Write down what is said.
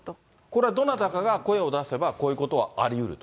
これはどなたかが声を出せば、こういうことはありうる？